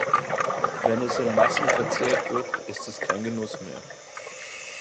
Wenn es in Massen verzehrt wird, ist es kein Genuss mehr.